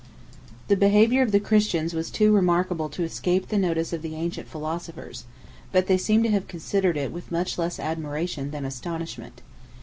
The behavior of the Christians was too remarkable to escape the notice of the ancient philosophers; but they seem to have considered it with much less admiration than astonishment.